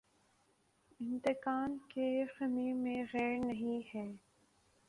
انتقام کے خمیر میںخیر نہیں ہے۔